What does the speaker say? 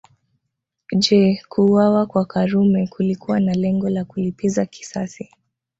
Je kuuawa kwa Karume kulikuwa na lengo la kulipiza kisasi